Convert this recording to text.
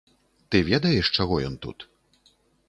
Ты ведаеш, чаго ён тут?